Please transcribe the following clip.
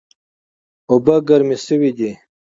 اوبه ګرمې شوې دي